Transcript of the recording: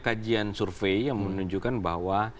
kajian survei yang menunjukkan bahwa